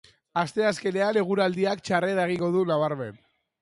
Asteazkenean eguraldiak txarrera egingo du nabarmen.